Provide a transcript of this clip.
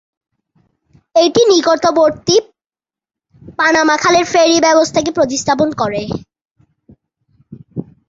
এটি নিকটবর্তী পানামা খালের ফেরি ব্যবস্থাকে প্রতিস্থাপন করে।